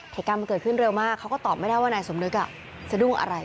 การเกิดขึ้นเร็วมากเขาก็ตอบไม่ได้ว่านายสมนึกจะดุงอะไร